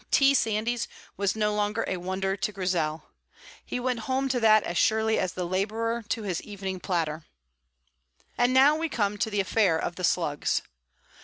T. Sandys was no longer a wonder to Grizel. He went home to that as surely as the labourer to his evening platter. And now we come to the affair of the Slugs.